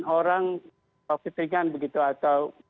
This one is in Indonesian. orang covid ringan begitu atau